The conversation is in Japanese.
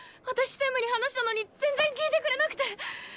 私専務に話したのに全然聞いてくれなくて。